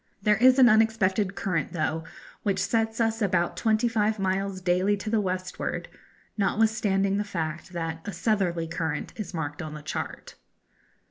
There is an unexpected current, though, which sets us about twenty five miles daily to the westward, notwithstanding the fact that a 'southerly current' is marked on the chart.